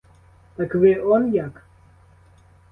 Так ви он як?